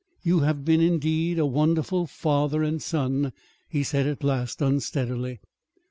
"You have been, indeed, a wonderful father and son," he said at last unsteadily.